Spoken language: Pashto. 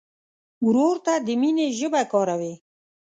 ورور ته د مینې ژبه کاروې.